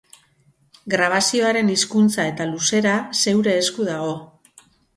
Grabazioaren hizkuntza eta luzera, zeure esku dago.